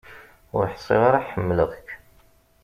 Ur ḥṣiɣ ara ḥemleɣ-k.